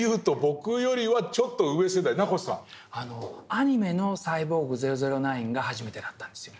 アニメの「サイボーグ００９」が初めてだったんですよね。